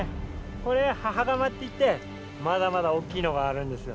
これ母釜っていってまだまだ大きいのがあるんですよ。